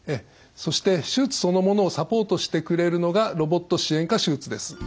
そして手術そのものをサポートしてくれるのがロボット支援下手術です。